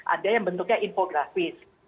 ada yang bentuknya infografis